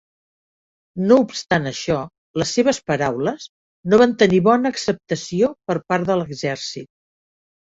No obstant això, les seves paraules no van tenir bona acceptació per part de l'exèrcit.